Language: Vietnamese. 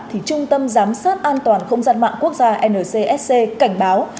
thì trung tâm giám sát an toàn không gian mạng quốc gia ncsc cảnh báo